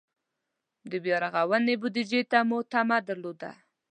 د بیا رغونې بودجې ته مو تمه درلوده.